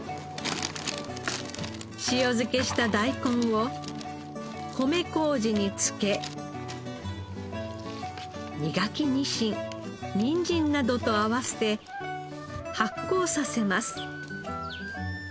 塩漬けした大根を米麹に漬け身欠きニシンニンジンなどと合わせ発酵させます。